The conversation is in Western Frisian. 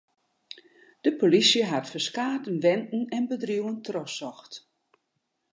De polysje hat ferskate wenten en bedriuwen trochsocht.